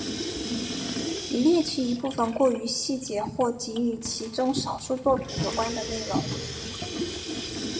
已略去一部分过于细节或仅与其中少数作品有关的内容。